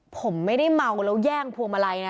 ผมไม่ได้เมาแล้วแย่งพวงมาลัยนะ